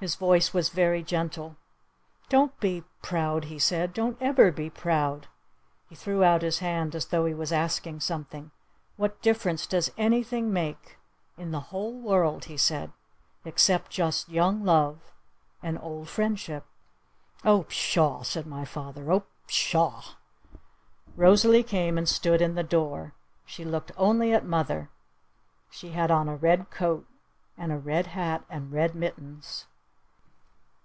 His voice was very gentle. "Don't be proud," he said. "Don't ever be proud." He threw out his hand as tho he was asking something. "What difference does anything make in the whole world," he said, "except just young love and old friendship?" "Oh, pshaw," said father. "Oh, pshaw!" Rosalee came and stood in the door. She looked only at mother. She had on a red coat. And a red hat. And red mittens.